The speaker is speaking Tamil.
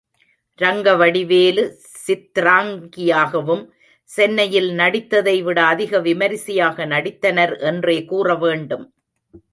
ரங்கவடிவேலு சித்ராங்கியாகவும் சென்னையில் நடித்ததைவிட அதிக விமரிசையாக நடித்தனர் என்றே கூற வேண்டும்.